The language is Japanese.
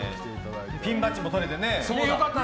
ピンバッジも取れてね。